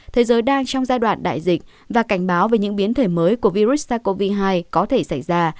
thế giới đang trong giai đoạn đại dịch và cảnh báo về những biến thể mới của virus sars cov hai có thể xảy ra